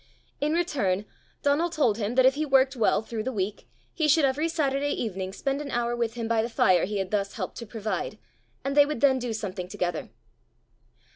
In return Donal told him that if he worked well through the week, he should every Saturday evening spend an hour with him by the fire he had thus helped to provide, and they would then do something together.